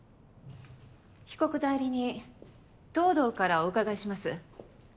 被告代理人藤堂からお伺いします。